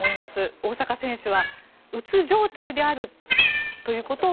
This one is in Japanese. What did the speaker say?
大坂選手はうつ状態であるということを。